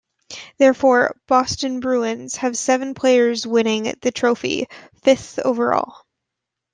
Therefore, Boston Bruins have seven players winning the trophy, fifth overall.